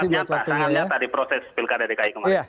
sangat nyata sangat nyata di proses pilkada dki kemarin